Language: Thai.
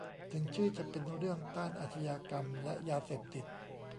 ถึงชื่อจะเป็นเรื่องต้านอาชญากรรมและยาเสพติด